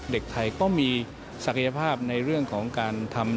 เด็กไทยก็มีศักยภาพในเรื่องของการทำ